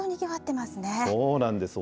そうなんです。